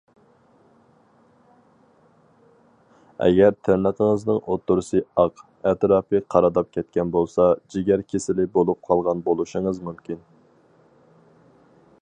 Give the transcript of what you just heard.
ئەگەر تىرنىقىڭىزنىڭ ئوتتۇرىسى ئاق، ئەتراپى قارىداپ كەتكەن بولسا، جىگەر كېسىلى بولۇپ قالغان بولۇشىڭىز مۇمكىن.